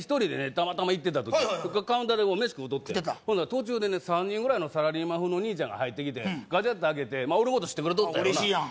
たまたま行ってた時カウンターで飯食うとってんほんなら途中でね３人ぐらいのサラリーマン風の兄ちゃんが入ってきてガチャッと開けてまあ俺のこと知ってくれとったんやろなあっ嬉しいやん